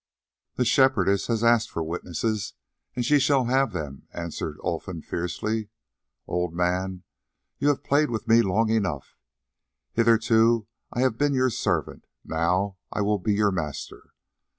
"The Shepherdess has asked for witnesses, and she shall have them," answered Olfan fiercely. "Old man, you have played with me long enough; hitherto I have been your servant, now I will be your master.